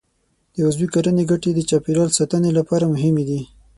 د عضوي کرنې ګټې د چاپېریال ساتنې لپاره مهمې دي.